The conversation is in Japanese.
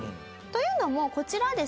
というのもこちらはですね